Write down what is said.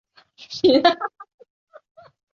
戴德洛斯以南是阿德加蓝草原以北的大草原。